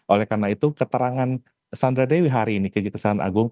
oleh karena itu keterangan sandra dewi hari ini ke kejaksaan agung